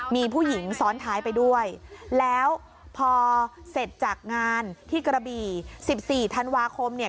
มีผู้หญิงซ้อนท้ายไปด้วยแล้วพอเสร็จจากงานที่กระบี่สิบสี่ธันวาคมเนี่ย